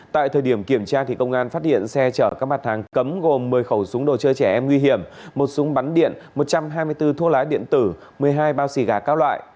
tại thời điểm kiểm tra công an phát hiện xe chở các mặt hàng cấm gồm một mươi khẩu súng đồ chơi trẻ em nguy hiểm một súng bắn điện một trăm hai mươi bốn thuốc lá điện tử một mươi hai bao xì gà các loại